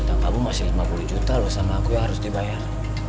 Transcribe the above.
tanpa ibu masih lima puluh juta lulusan laku yang harus dibayar